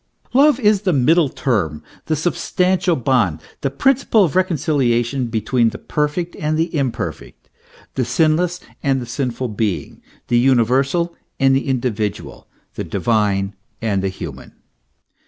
Love is the middle term, the substantial bond, the principle of reconciliation between the perfect and the imperfect, the sinless and sinful being, the universal and the individual, the divine and the human.